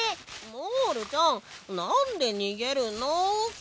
モールちゃんなんでにげるの。